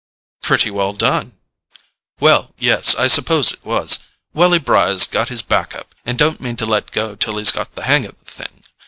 "Pretty well done—well, yes, I suppose it was: Welly Bry's got his back up and don't mean to let go till he's got the hang of the thing.